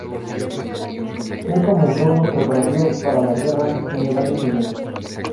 Él comenzó los preparativos para la guerra en el año siguiente.